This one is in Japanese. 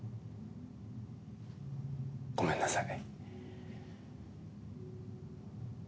ごめんなさい。